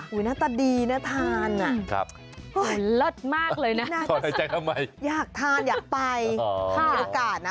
หน้าตาดีนะทานน่ะโอ๊ยรสมากเลยนะอยากทานอยากไปมีโอกาสนะ